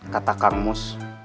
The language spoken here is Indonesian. kata kang mus